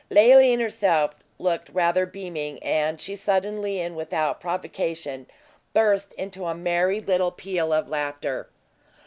Leoline herself looked rather beaming; and she suddenly, and without provocation, burst into a merry little peal of laughter.